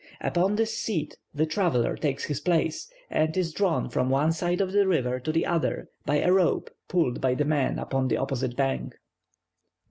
Upon this seat the traveller takes his place, and is drawn from one side of the river to the other by a rope pulled by the man upon the opposite bank."